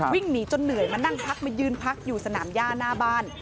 วิ่งหนีจนเหนื่อยมานั่งพักมายืนพักอยู่สนามย่าหน้าบ้าน